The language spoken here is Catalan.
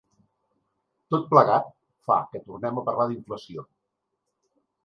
Tot plegat fa que tornem a parlar d’inflació.